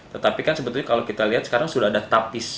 tetapi kan sebetulnya kalau kita lihat sekarang sudah ada tapis